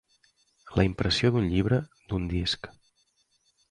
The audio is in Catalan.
La impressió d'un llibre, d'un disc.